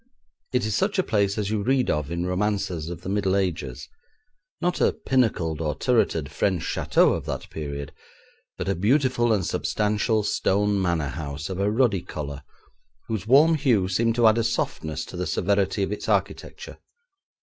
It is such a place as you read of in romances of the Middle Ages; not a pinnacled or turreted French château of that period, but a beautiful and substantial stone manor house of a ruddy colour, whose warm hue seemed to add a softness to the severity of its architecture.